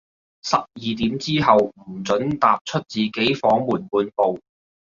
十二點之後，唔准踏出自己房門半步